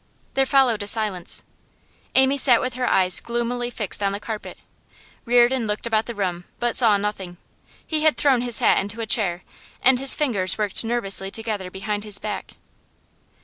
There followed a silence. Amy sat with her eyes gloomily fixed on the carpet; Reardon looked about the room, but saw nothing. He had thrown his hat into a chair, and his fingers worked nervously together behind his back.